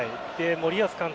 森保監督